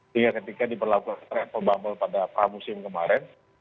hingga ketika diperlakukan travel bubble pada musim kemarin